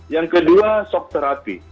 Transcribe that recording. yang kedua sokterapi